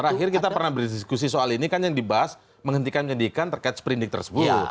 terakhir kita pernah berdiskusi soal ini kan yang dibahas menghentikan penyidikan terkait seperindik tersebut